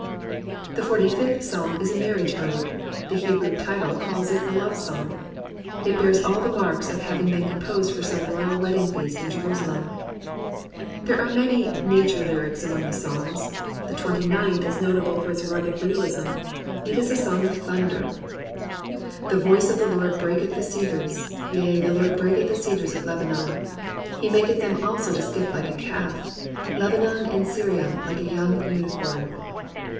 The Forty fifth Psalm is a Marriage Ode: the Hebrew title calls it a Love Song. It bears all the marks of having been composed for some royal wedding feast in Jerusalem. There are many nature lyrics among the Psalms. The Twenty ninth is notable for its rugged realism. It is a Song of Thunder. 54 POETRY IN THE PSALMS The voice of the Lord breaketh the cedars: Yea, the Lord breaketh the cedars of Lebanon: He maketh them also to skip like a calf: Lebanon and Sirion like a young unicorn.